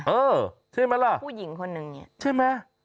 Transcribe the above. เออใช่ไหมล่ะผู้หญิงคนหนึ่งเนี่ยใช่ไหม